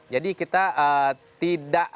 jadi kita tidak